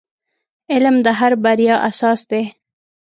• علم د هر بریا اساس دی.